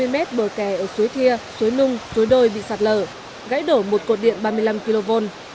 ba trăm bốn mươi m bờ kè ở suối thia suối nung suối đôi bị sạt lở gãy đổ một cột điện ba mươi năm kv